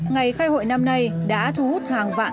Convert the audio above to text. ngày khai hội năm nay đã thu hút hàng vạn